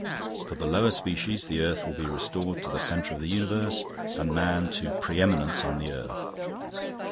For the lower species the earth will be restored to the centre of the universe and man to pre eminence on the earth.